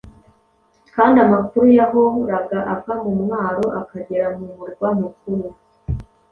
kandi amakuru yahoraga ava ku mwaro akagera mu murwa mukuru